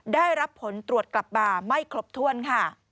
ได้รับผลตรวจกลับมาไม่ครบถ้วนค่ะ